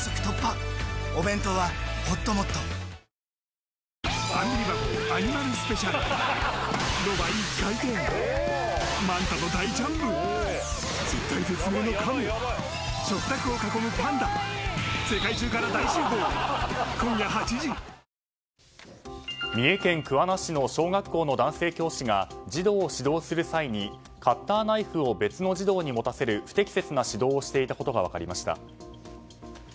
このあと明日朝にかけては西日本から東日本の太平洋側で三重県桑名市の小学校の男性教師が児童を指導する際にカッターナイフを別の児童に持たせる不適切な指導をしていたことが分かりました。